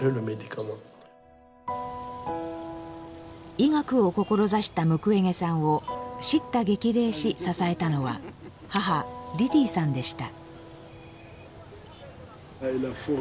医学を志したムクウェゲさんを叱咤激励し支えたのは母リディーさんでした。